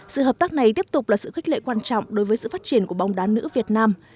sự hợp tác này tiếp tục là sự khích lệ quan trọng đối với sự phát triển của bóng đá nữ việt nam